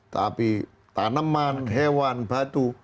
tapi tanaman hewan batu